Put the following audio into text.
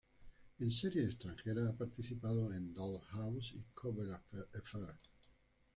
En series extranjeras ha participado en "Dollhouse" y "Covert Affairs".